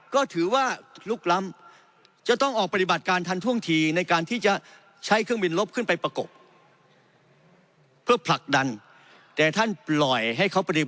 ก็ถือว่าลูกล้ำจะต้องออกปฏิบัติการทันท่วงทีในการที่จะใช้เครื่องบินรถขึ้นไปประกบ